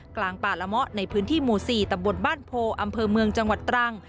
กลางป่าละเมาะในพื้นที่หมู่๔ตำบลบ้านโพอำเภอเมืองจังหวัดตรัง